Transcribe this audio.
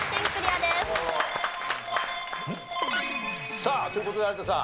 さあという事で有田さん。